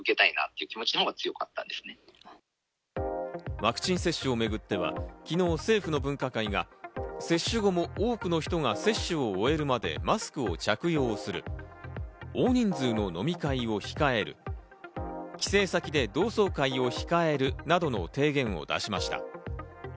ワクチン接種をめぐっては、昨日政府の分科会が接種後も多くの人が接種を終えるまでマスクを着用する、大人数の飲み会を控える、帰省先で同窓会を控えるなどの提言を出しました。